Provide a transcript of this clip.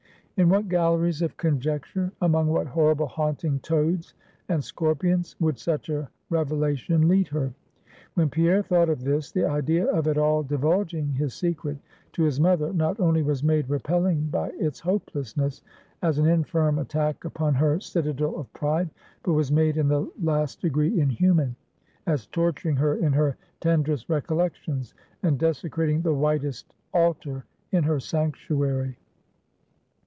In what galleries of conjecture, among what horrible haunting toads and scorpions, would such a revelation lead her? When Pierre thought of this, the idea of at all divulging his secret to his mother, not only was made repelling by its hopelessness, as an infirm attack upon her citadel of pride, but was made in the last degree inhuman, as torturing her in her tenderest recollections, and desecrating the whitest altar in her sanctuary.